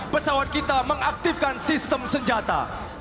pesawat kita mengaktifkan sistem senjata